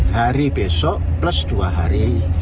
hari besok plus dua hari